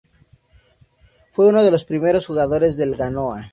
Fue uno de los primeros jugadores del Genoa.